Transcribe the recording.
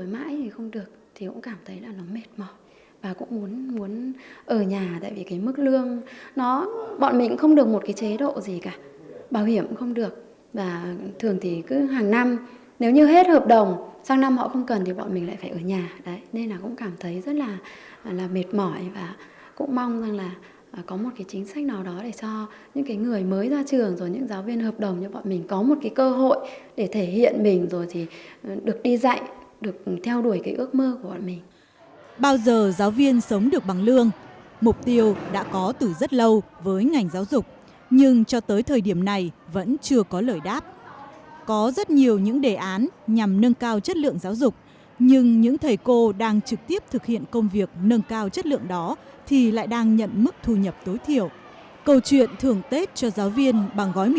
nói chung là bây giờ thì không được thì cũng cảm thấy là nó mệt mỏi và cũng muốn muốn ở nhà tại vì cái mức lương nó bọn mình không được một cái chế độ gì cả bảo hiểm không được và thường thì cứ hàng năm nếu như hết hợp đồng sang năm họ không cần thì bọn mình lại phải ở nhà đấy nên là cũng cảm thấy rất là là mệt mỏi và cũng mong rằng là có một cái chính sách nào đó để cho những cái người mới ra trường rồi những giáo viên hợp đồng như bọn mình có một cái cơ hội để thể hiện mình rồi thì được đi dạy được theo đuổi